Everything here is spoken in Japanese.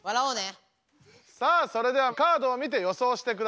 さあそれではカードを見て予想してください。